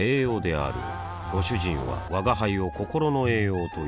あぁご主人は吾輩を心の栄養という